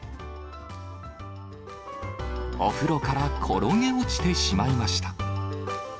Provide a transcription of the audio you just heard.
お風呂から転げ落ちてしまいました。